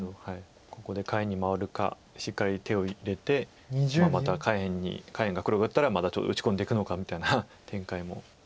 ここで下辺に回るかしっかり手を入れてまた下辺黒が打ったらまたちょっと打ち込んでいくのかみたいな展開も。